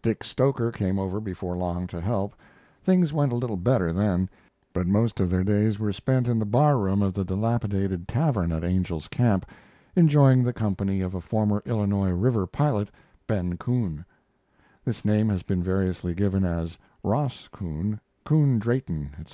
Dick Stoker came over before long to help. Things went a little better then; but most of their days were spent in the bar room of the dilapidated tavern at Angel's Camp, enjoying the company of a former Illinois River pilot, Ben Coon, [This name has been variously given as "Ros Coon," "Coon Drayton," etc.